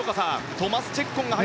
トマス・チェッコンです。